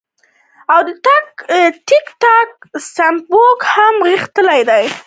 او د ټک ټاک د سپکو هم غټ کردار دے -